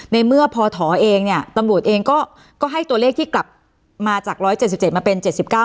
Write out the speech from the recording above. ในเมื่อพอถอเองเนี่ยตำบุรุษเองก็ก็ให้ตัวเลขที่กลับมาจากร้อยเจ็ดสิบเจ็ดมาเป็นเจ็ดสิบเก้า